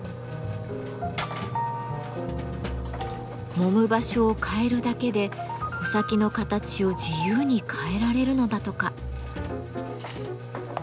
もむ場所を変えるだけで穂先の形を自由に変えられるのだとか。